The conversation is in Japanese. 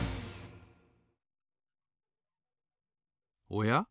おや？